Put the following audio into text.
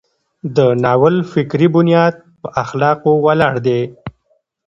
د ناول فکري بنیاد په اخلاقو ولاړ دی.